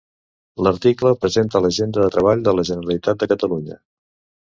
L'article presenta l'agenda de treball de la Generalitat de Catalunya.